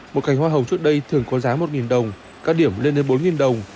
một cành hoa hồng trước đây thường có giá một đồng các điểm lên đến bốn đồng